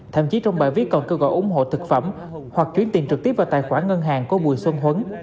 thậm chí trong bài viết còn kêu gọi ủng hộ thực phẩm hoặc chuyển tiền trực tiếp vào tài khoản ngân hàng của bùi xuân huấn